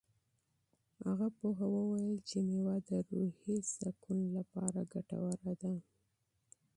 هغه پوه وویل چې مېوه د روحي سکون لپاره ګټوره ده.